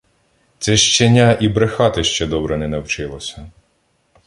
Це щеня і брехати ще добре не навчилося.